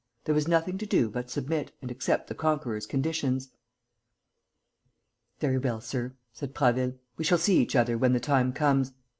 There was nothing to do but submit and accept the conqueror's conditions. "Very well, sir," said Prasville. "We shall see each other when the time comes.